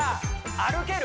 歩ける？